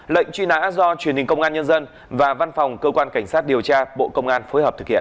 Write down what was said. lệnh truy nã do truyền hình công an nhân dân và văn phòng cơ quan cảnh sát điều tra bộ công an phối hợp thực hiện